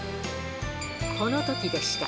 このときでした。